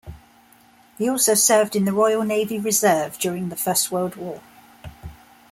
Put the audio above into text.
He also served in the Royal Navy Reserve during the First World War.